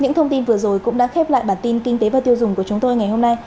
những thông tin vừa rồi cũng đã khép lại bản tin kinh tế và tiêu dùng của chúng tôi ngày hôm nay